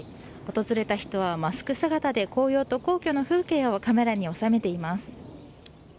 訪れた人はマスク姿で紅葉と皇居の風景をカメラに収めています。